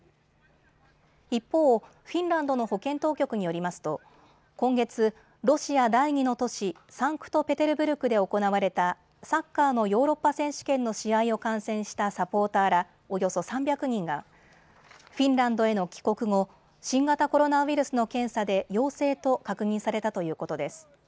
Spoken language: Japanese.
一方、フィンランドの保健当局によりますと今月、ロシア第２の都市、サンクトペテルブルクで行われたサッカーのヨーロッパ選手権の試合を観戦したサポーターらおよそ３００人がフィンランドへの帰国後、新型コロナウイルスの検査で陽性と確認されたということです。